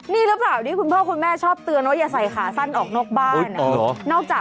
นี่หรือเปล่าที่คุณพ่อคุณแม่ชอบเตือนว่าอย่าใส่ขาสั้นออกนอกบ้าน